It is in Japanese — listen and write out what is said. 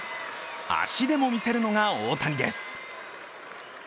足でも見せるのが大谷です。